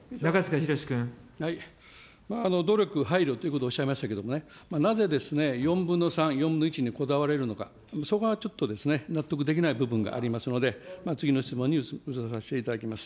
努力、配慮ということをおっしゃいましたけれどもね、なぜ４分の３、４分の１にこだわれるのか、そこがちょっと納得できない部分がありますので、次の質問にうつらさせていただきます。